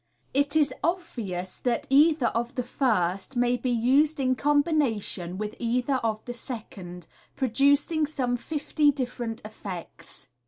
It is obvious that either of the first may be used in combination with either of the second, producing some fifty different ejects.